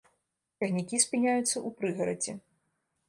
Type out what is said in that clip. Цягнікі спыняюцца ў прыгарадзе.